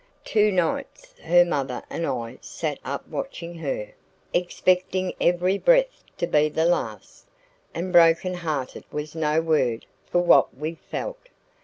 Two nights her mother and I sat up watching her, expecting every breath to be the last, and broken hearted was no word for what we felt.